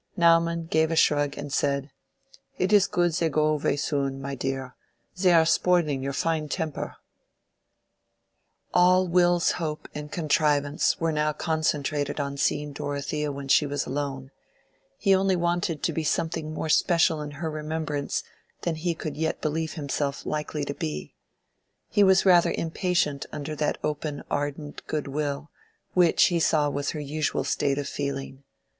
Naumann gave a shrug and said, "It is good they go away soon, my dear. They are spoiling your fine temper." All Will's hope and contrivance were now concentrated on seeing Dorothea when she was alone. He only wanted her to take more emphatic notice of him; he only wanted to be something more special in her remembrance than he could yet believe himself likely to be. He was rather impatient under that open ardent good will, which he saw was her usual state of feeling.